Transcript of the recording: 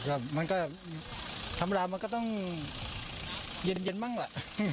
ก็มันก็ทำลาวมันก็ต้องเย็นบ้างล่ะ